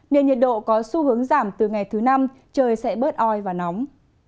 nên nhiệt độ có xu hướng giảm từ ngày thứ năm trời sẽ bớt oi và nóng